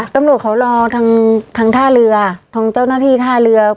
ตำรวจเขารอทางทางท่าเรือทางเจ้าหน้าที่ท่าเรือ